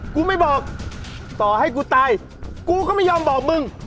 กูไม่บอกต่อให้กูตายกูก็ไม่ยอมบอกมึง